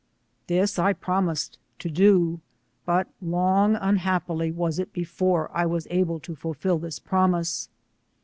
This 1 promised to do, but long unhappily was it before I was able to fulfil this promise.